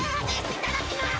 いただきます